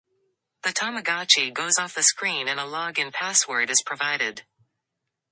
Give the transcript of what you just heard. The Tamagotchi goes off the screen and a Log-In Password is provided.